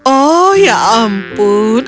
oh ya ampun